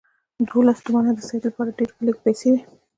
دوولس تومنه د سید لپاره ډېرې لږې پیسې وې.